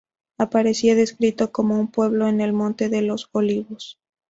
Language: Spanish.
Aparecía descrito como un pueblo en el Monte de los Olivos.